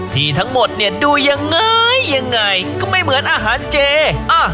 ที่ทั้งหมดเนี่ยดูยังไงยังไงก็ไม่เหมือนอาหารเจอ่ะ